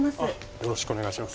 よろしくお願いします。